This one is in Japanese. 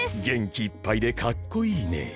げんきいっぱいでかっこいいね！